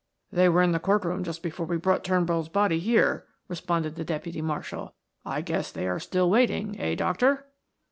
"They were in the court room just before we brought Turnbull's body here," responded the deputy marshal. "I guess they are still waiting, eh, doctor?"